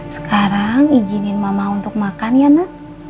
sekarang izinin mama untuk makan yana